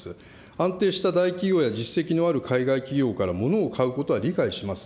安定した大企業や実績のある海外企業からものを買うことは理解します。